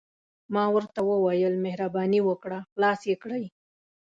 ما ورته وویل: مهرباني وکړه، خلاص يې کړئ.